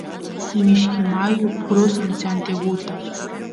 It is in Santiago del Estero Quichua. mishki mayu crusan santiaguta